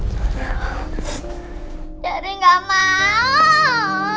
jerry enggak mau